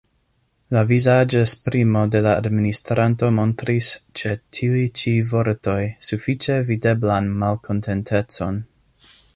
La vizaĝesprimo de la administranto montris ĉe tiuj ĉi vortoj sufiĉe videblan malkontentecon.